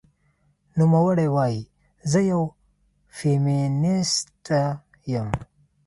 نوموړې وايي، "زه یوه فېمینیسټه یم